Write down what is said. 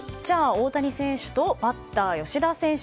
大谷選手とバッター吉田選手。